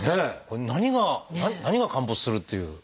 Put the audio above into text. これ何が何が陥没するっていう。